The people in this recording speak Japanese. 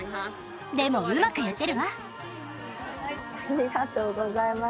でもうまくやってるわありがとうございます